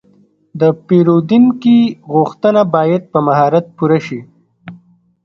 د پیرودونکي غوښتنه باید په مهارت پوره شي.